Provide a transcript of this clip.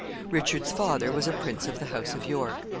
Richard's father was a prince of the house of York.